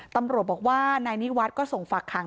ตำรวจบอกว่านายนิวัฒน์ก็ส่งฝากขัง